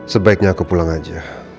sebaiknya aku pulang aja